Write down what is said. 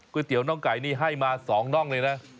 เตี๋ยน้องไก่นี่ให้มา๒น่องเลยนะ